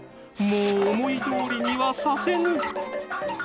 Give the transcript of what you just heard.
もう思いどおりにはさせぬ！